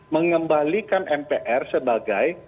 mengembalikan mpr sebagai